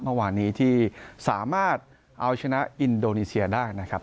เมื่อวานนี้ที่สามารถเอาชนะอินโดนีเซียได้นะครับ